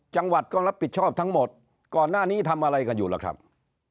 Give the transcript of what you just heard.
จังหวัดก็รับผิดชอบทั้งหมดก่อนหน้านี้ทำอะไรกันอยู่ล่ะครับ